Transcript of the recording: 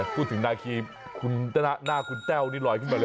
พูดถึงนาคีคุณหน้าคุณแต้วนี่ลอยขึ้นมาเลย